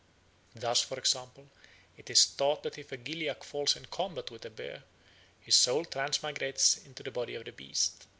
Thus, for example, it is thought that if a Gilyak falls in combat with a bear, his soul transmigrates into the body of the beast.